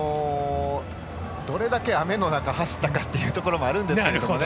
どれだけ雨の中走ったかというのもあるんですけどね。